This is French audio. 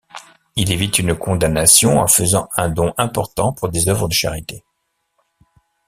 Il évite une condamnation en faisant un don important pour des œuvres de charité.